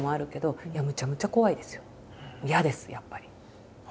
嫌ですやっぱり。